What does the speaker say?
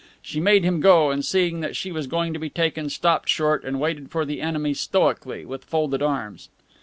She made him go and seeing that she was going to be taken, stopped short and waited for the enemy stoically, with folded arms.